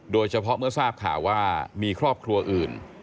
โดยเฉพาะเมื่อทราบข่าวว่ามีครอบครัวอื่น